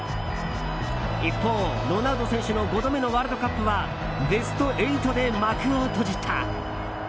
一方、ロナウド選手の５度目のワールドカップはベスト８で幕を閉じた。